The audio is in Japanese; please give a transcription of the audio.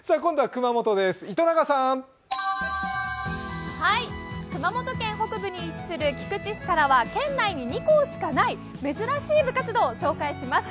熊本県北部に位置する菊池市からは県内に２校しかない珍しい部活動を紹介します。